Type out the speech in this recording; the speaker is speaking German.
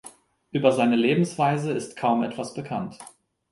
Über seine Lebensweise ist kaum etwas bekannt.